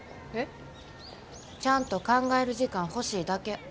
えっ？ちゃんと考える時間ほしいだけ。